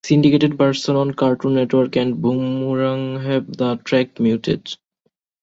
Syndicated versions on Cartoon Network and Boomerang have the track muted.